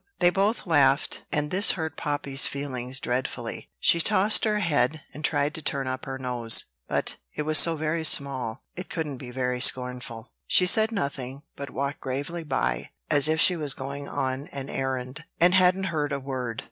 They both laughed, and this hurt Poppy's feelings dreadfully. She tossed her head, and tried to turn up her nose; but, it was so very small, it couldn't be very scornful. She said nothing, but walked gravely by, as if she was going on an errand, and hadn't heard a word.